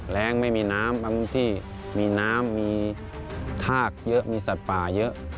ไม่มีน้ำบางที่มีน้ำมีทากเยอะมีสัตว์ป่าเยอะ